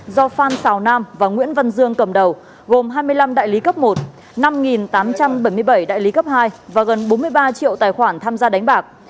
do phan xào nam và nguyễn văn dương cầm đầu gồm hai mươi năm đại lý cấp một năm tám trăm bảy mươi bảy đại lý cấp hai và gần bốn mươi ba triệu tài khoản tham gia đánh bạc